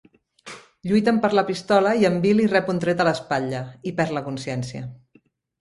Lluiten per la pistola i en Billy rep un tret a l'espatlla, i perd la consciència.